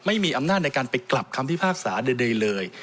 ไม่มีอำนาจในการไปกลับคำพิพากษาใดเลย